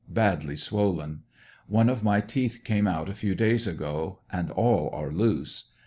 Badly swollen. One of my teeth came out a few days ago, and all are loose.